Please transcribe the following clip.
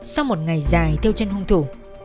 sau một ngày dài theo chân hung thủ